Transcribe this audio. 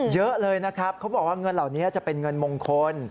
เยอะเลยนะครับเขาบอกว่าเงินเหล่านี้จะเป็นเงินมงคล